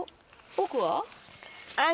奥は？